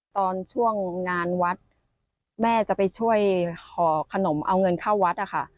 ตอนช่วงงานวัดแม่จะไปช่วยห่อขนมเอาเงินเข้าวัดนะคะ